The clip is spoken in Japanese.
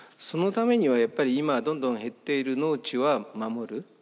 そのためにはやっぱり今はどんどん減っている農地は守る。